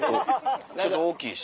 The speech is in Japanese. ちょっと大きいし。